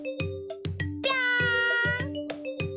ぴょん！